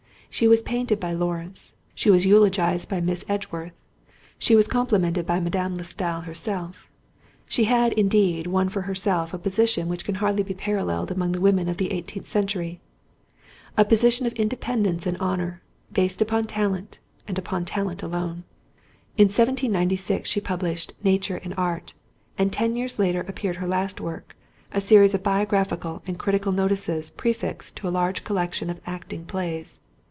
She was painted by Lawrence, she was eulogized by Miss Edgeworth, she was complimented by Madame de Stael herself. She had, indeed, won for herself a position which can hardly be paralleled among the women of the eighteenth century—a position of independence and honour, based upon talent, and upon talent alone. In 1796 she published Nature and Art, and ten years later appeared her last work—a series of biographical and critical notices prefixed to a large collection of acting plays.